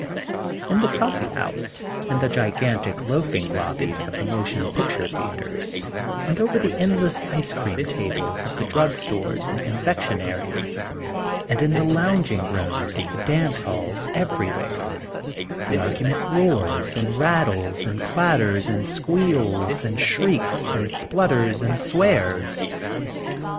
In the coffee houses and the gigantic loafing lobbies of the motion picture thea tres and over the endless ice cream tables of the drug stores and confectioneries and in the lounging rooms of the dance halls everjrwhere the argument roars and rattles and clatters and squeals and shrieks and splutters and swears.